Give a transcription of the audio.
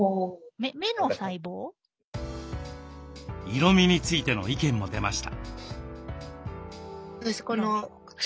色みについての意見も出ました。